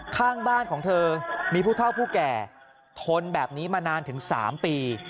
ข้างบ้านของเธอมีผู้เท่าผู้แก่ทนแบบนี้มานานถึง๓ปี